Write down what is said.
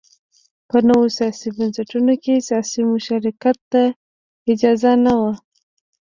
په نویو سیاسي بنسټونو کې سیاسي مشارکت ته اجازه نه وه.